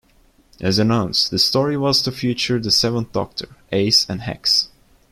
As announced, the story was to feature the Seventh Doctor, Ace and Hex.